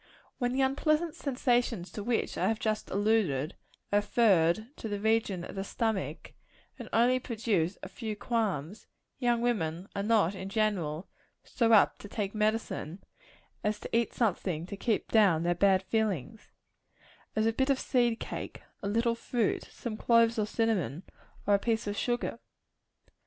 When the unpleasant sensations to which I have just alluded, are referred to the region of the stomach, and only produce a few qualms, young women are not, in general, so apt to take medicine, as to eat something to keep down their bad feelings as a bit of seed cake, a little fruit, some cloves or cinnamon, or a piece of sugar.